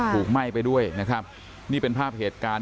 ไหม้ไปด้วยนะครับนี่เป็นภาพเหตุการณ์